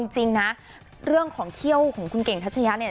จริงนะเรื่องของเขี้ยวของคุณเก่งทัชยะเนี่ย